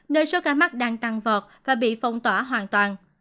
nơi số ca mắc đang tăng vọt và bị phong tỏa hoàn toàn